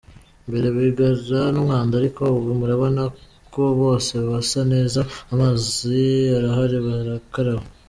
Mbere bagiraga n’umwanda ariko ubu murabona ko bose basa neza amazi arahari barakaraba.